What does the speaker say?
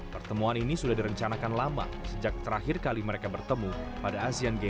pertemuan ini sudah direncanakan lama sejak terakhir kali mereka bertemu pada asean games